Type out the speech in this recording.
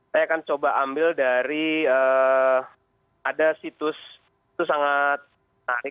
saya akan coba ambil dari ada situs itu sangat menarik